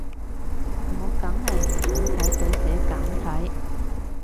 我梗係唔想睇佢寫簡體